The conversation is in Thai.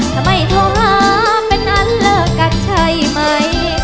ถ้าไม่ท้องหาเป็นนั้นแล้วกันใช่ไหม